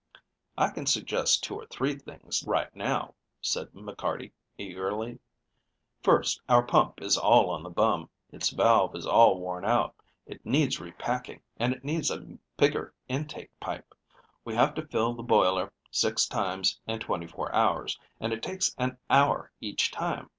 "I can suggest two or three things, right now," said McCarty, eagerly. "First, our pump is all on the bum. Its valve is all worn out. It needs repacking, and it needs a bigger intake pipe. We have to fill the boiler six times in twenty four hours, and it takes an hour each time.